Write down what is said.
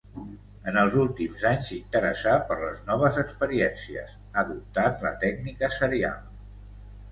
En els últims anys s'interessà per les noves experiències, adoptant la tècnica serial.